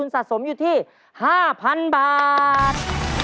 สะสมอยู่ที่๕๐๐๐บาท